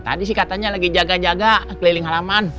tadi sih katanya lagi jaga jaga keliling halaman